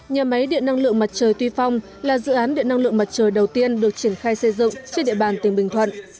nhà máy điện năng lượng mặt trời tuy phong là dự án điện năng lượng mặt trời đầu tiên được triển khai xây dựng trên địa bàn tỉnh bình thuận